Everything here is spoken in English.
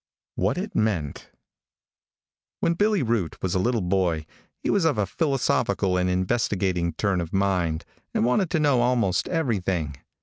WHAT IT MEANT. |WHEN Billy Boot was a little boy, he was of a philosophical and investigating turn of mind, and wanted to know almost everything.